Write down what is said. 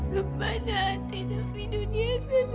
kepada hati livi dunia sendiri